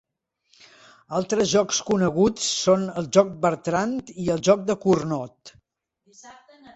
Altres jocs coneguts són el joc Bertrand i el joc de Cournot.